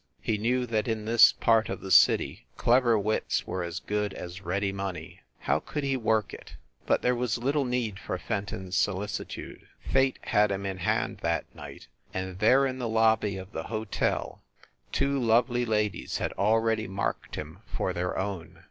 He knew that in this part of the city clever wits were as good as ready money. How could he work it? But there was little need for Fenton s solici tude. Fate had him in hand that night and there in the lobby of the hotel two lovely ladies had already marked him for their own.